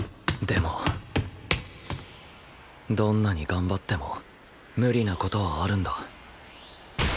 でもどんなに頑張っても無理な事はあるんだ